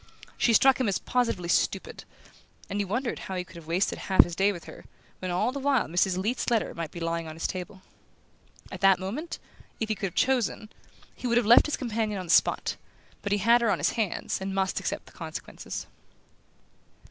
She struck him as positively stupid, and he wondered how he could have wasted half his day with her, when all the while Mrs. Leath's letter might be lying on his table. At that moment, if he could have chosen, he would have left his companion on the spot; but he had her on his hands, and must accept the consequences.